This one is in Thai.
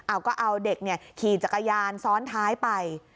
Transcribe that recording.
เอาก็เอาเด็กขี่จักรยานซ้อนท้ายไป